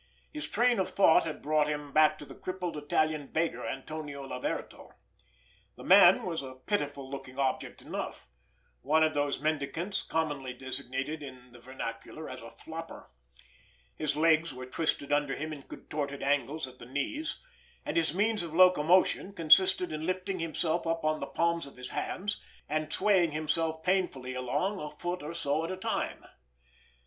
His train of thought had brought him back to the crippled Italian beggar, Antonio Laverto. The man was a pitiful looking object enough—one of those mendicants commonly designated in the vernacular as a "flopper." His legs were twisted under him in contorted angles at the knees, and his means of locomotion consisted in lifting himself up on the palms of his hands and swaying himself painfully along a foot or so at a time.